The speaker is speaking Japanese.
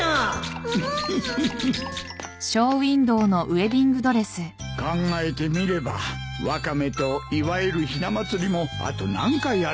フフフ考えてみればワカメと祝えるひな祭りもあと何回あるかなあ。